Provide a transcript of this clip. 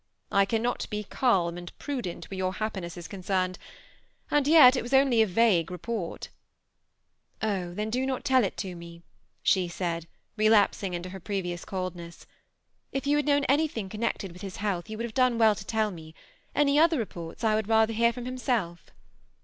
I cannot be calm and prudent where your happiness is concerned ; and yet it was only a vague report" ^< Oh ! then do not tell it to me," she said, relapsing into her previous coldness. ^ If you had known any thing connected with his health, you would have done well to tell me, — any other reports I would rather hear from himself."